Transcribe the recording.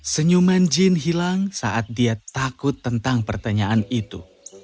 senyuman jin hilang saat dia takut tentang pertanyaan itu